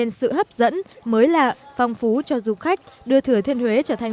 nên sự hấp dẫn mới lạ phong phú cho du khách đưa thừa thiên huế trở thành